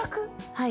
はい。